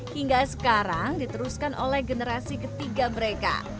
hingga sekarang diteruskan oleh generasi ketiga mereka